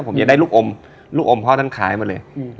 ผมจะได้ลูกอมลูกอมพ่อท่านคล้ายมาเลย